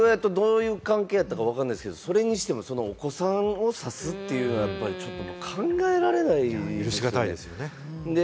父親とどういう関係やったかわからないですけど、それにしてもお子さんを刺すっていうのはちょっと考えられない。